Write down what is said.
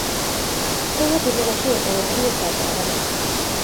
ქვემო დინებაში იყენებენ სარწყავად.